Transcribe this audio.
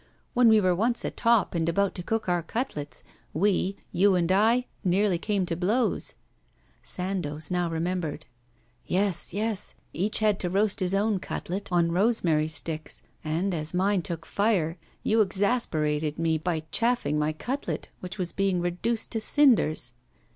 When we were once atop and about to cook our cutlets, we, you and I, nearly came to blows.' Sandoz now remembered. 'Yes, yes; each had to roast his own cutlet on rosemary sticks, and, as mine took fire, you exasperated me by chaffing my cutlet, which was being reduced to cinders.